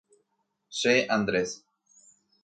Che Andrés.